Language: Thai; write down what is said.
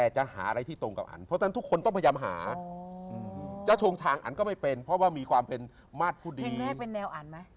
จ้างทงทางอันก็ไม่เป็นเพราะว่ามีความเป็นภาษผู้ดี